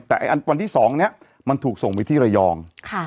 แต่วันที่๒นี้มันถูกส่งไปที่ระยอง